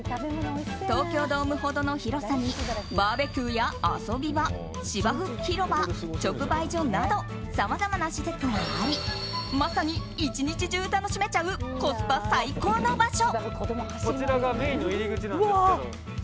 東京ドームほどの広さにバーベキューや遊び場芝生広場、直売所などさまざまな施設がありまさに１日中楽しめちゃうコスパ最高の場所。